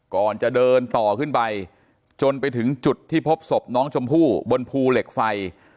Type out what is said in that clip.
ก่อนจะเดินต่อขึ้นไปจนไปถึงจุดที่พบศพน้องชมพู่บนภูเหล็กไฟ